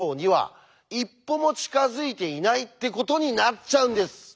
一歩も近づいていないってことになっちゃうんです。